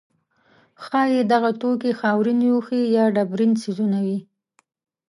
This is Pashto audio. ښایي دغه توکي خاورین لوښي یا ډبرین څیزونه وي.